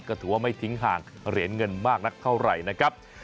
ก็ถือว่าไม่ทิ้งห่างเหรียญเงินมากนักเท่าไหร่นะครับ